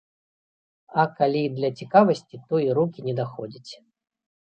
А калі для цікавасці, то і рукі не даходзяць.